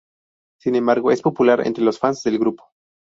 Sin embargo es popular entre los fans del grupo.